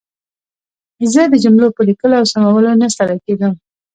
زه د جملو په لیکلو او سمولو نه ستړې کېدم.